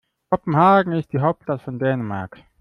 Kopenhagen ist die Hauptstadt von Dänemark.